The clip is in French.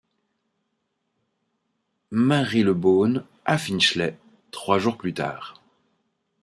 Marylebone à Finchley trois jours plus tard.